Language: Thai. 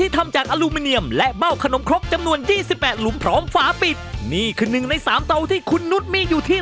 แล้วก็ยังใช้อยู่ปัจจุบันนี้ค่ะแพงไหมเนี่ยชุดนี้๔๕๐๐ค่ะโอ้โฮ